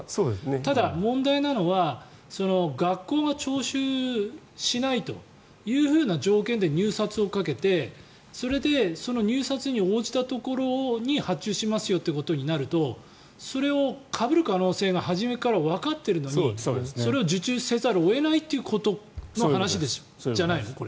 ただ問題なのは学校が徴収しないという条件で入札をかけてそれで入札に応じたところに発注しますよとなるとそれをかぶる可能性が初めからわかっているのにそれを受注せざるを得ないということの話じゃないの？